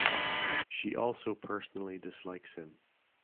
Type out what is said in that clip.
She also personally dislikes him.